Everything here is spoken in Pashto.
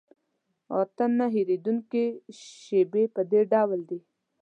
اته نه هېرېدونکي شیبې په دې ډول دي.